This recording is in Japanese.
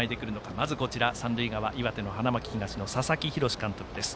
まずは、三塁側の岩手の花巻東の佐々木洋監督です。